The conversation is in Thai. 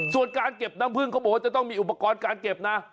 ส่วนการเก็บน้ำพึ่งเขาบอกว่าจะต้องมีอุปกรณ์การเก็บนะ